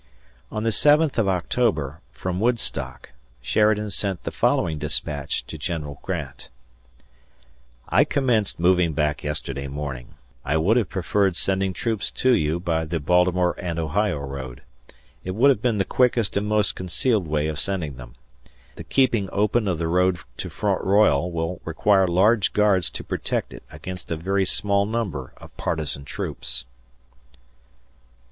On the seventh of October, from Woodstock, Sheridan sent the following dispatch to General Grant: I commenced moving back yesterday morning. I would have preferred sending troops to you by the Baltimore and Ohio Road. It would have been the quickest and most concealed way of sending them. The keeping open of the road to Front Royal will require large guards to protect it against a very small number of partisan troops.